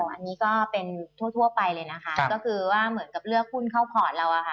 อันนี้ก็เป็นทั่วไปเลยนะคะก็คือว่าเหมือนกับเลือกหุ้นเข้าพอร์ตเราอะค่ะ